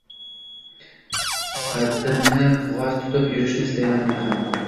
Qaddimni g`oz tutib yurishni istayman men ham